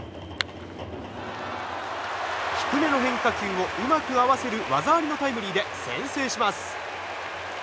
低めの変化球をうまく合わせる技ありのタイムリーで先制します。